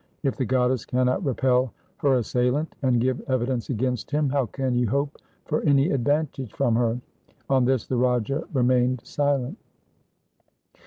If the goddess cannot repel her assailant and give evidence against him, how can you hope for any advantage from her ?' On this the Raja remained silent.